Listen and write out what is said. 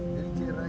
ada di belakang